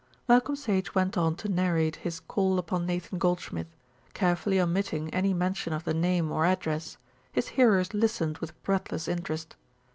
Malcolm Sage went on to narrate his call upon Nathan Goldschmidt, carefully omitting any mention of the name or address. His hearers listened with breathless interest.